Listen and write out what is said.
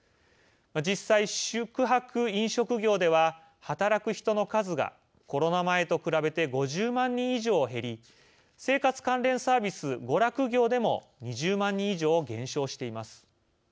実際、宿泊・飲食業では働く人の数が、コロナ前と比べて５０万人以上減り生活関連サービス・娯楽業でも２０万人以上減少しています。